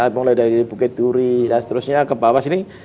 mulai dari bukit duri dan seterusnya ke bawah sini